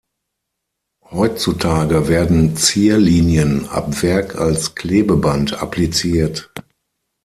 Heutzutage werden Zierlinien ab Werk als Klebeband appliziert.